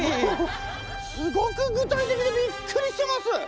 すごく具体的でびっくりしてます！